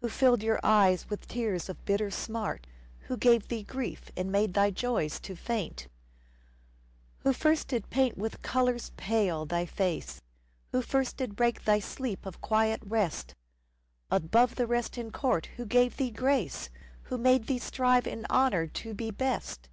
Who filled your eyes with tears of bitter smart ? Who gave thee grief and made thy joys to faint ? Who first did paint with colours pale thy face ? Who first did break thy sleeps of quiet rest ? Above the rest in court who gave thee grace ? Who made thee strive in honour to be best